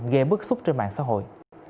gây bức xúc trên mạng xã hội